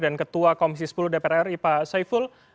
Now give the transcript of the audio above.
ketua komisi sepuluh dpr ri pak saiful